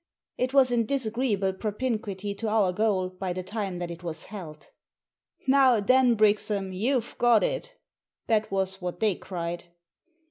It was in disagreeable propinquity to our goal by the time that it was held. " Now then, Brixham, you've got it !" That was what they cried.